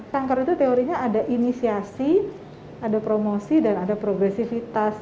kanker itu teorinya ada inisiasi ada promosi dan ada progresivitas